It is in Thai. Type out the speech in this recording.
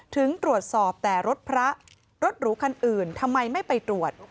ถึงตรวจสอบแต่รถพระรถหรูคันอื่นทำไมไม่ไปตรวจ